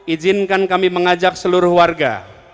izinkan kami mengajak seluruh warga